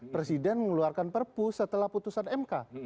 presiden mengeluarkan perpu setelah putusan mk